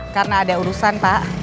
karena ada urusan pak